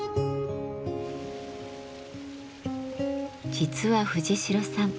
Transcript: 実は藤代さん